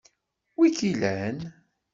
Wi i k-ilan?